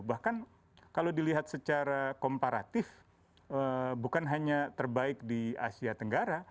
bahkan kalau dilihat secara komparatif bukan hanya terbaik di asia tenggara